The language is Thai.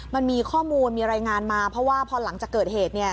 มันมีข้อมูลมีรายงานมาเพราะว่าพอหลังจากเกิดเหตุ